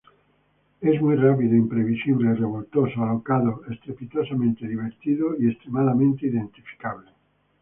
Es muy rápido, imprevisible, revoltoso, alocado, estrepitosamente divertido y extremadamente identificable.